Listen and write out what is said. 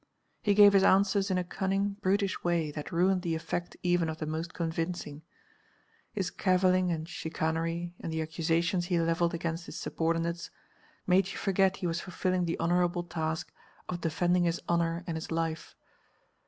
He gave his answers in a cunning, brutish way that ruined the effect even of the most convincing. His cavilling and chicanery and the accusations he levelled against his subordinates, made you forget he was fulfilling the honourable task of defending his honour and his life.